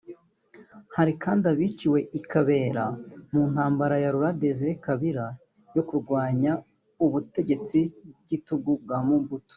Hari kandi abiciwe i Kabera mu ntambara ya Laurent Désiré Kabila yo kurwanya ubutegetsi bw’igitugu bwa Mobutu